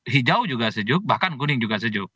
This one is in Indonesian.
hijau juga sejuk bahkan kuning juga sejuk